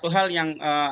sudah ada image yang rusak